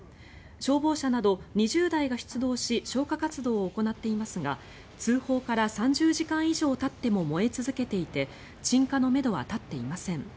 消防車など２０台が出動し消火活動を行っていますが通報から３０時間以上たっても燃え続けていて鎮火のめどは立っていません。